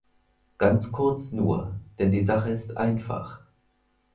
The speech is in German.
Ganz kurz nur, denn die Sache ist einfach.